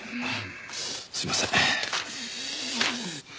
すいません。